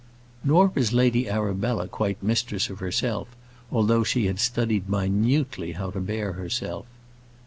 Nor was Lady Arabella quite mistress of herself, although she had studied minutely how to bear herself.